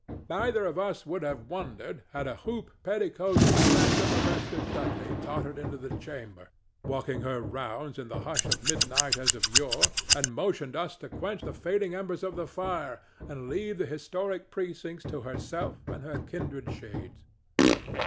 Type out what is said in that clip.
Neither of us would have wondered had a hoop petticoated phantom of Esther Dudley tottered into the chamber, walking her rounds in the hush of midnight as of yore, and motioned us to quench the fading embers of the fire and leave the historic precincts to herself and her kindred shades.